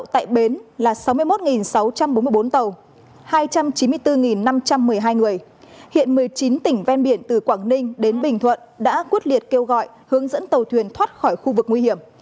một mươi chín tỉnh ven biển từ quảng ninh đến bình thuận đã quốc liệt kêu gọi hướng dẫn tàu thuyền thoát khỏi khu vực nguy hiểm